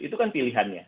itu kan pilihannya